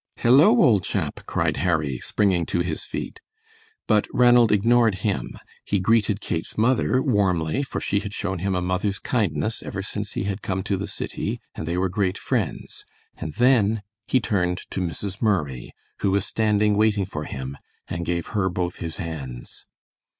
"Hello, old chap!" cried Harry, springing to his feet, but Ranald ignored him. He greeted Kate's mother warmly for she had shown him a mother's kindness ever since he had come to the city, and they were great friends, and then he turned to Mrs. Murray, who was standing waiting for him, and gave her both his hands.